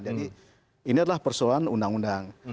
jadi ini adalah persoalan undang undang